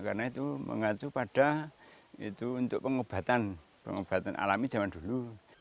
karena itu mengatur pada itu untuk pengobatan pengobatan alami zaman dulu